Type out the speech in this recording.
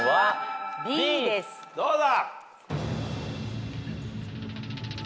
どうだ？